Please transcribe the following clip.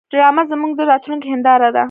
ډرامه زموږ د راتلونکي هنداره ده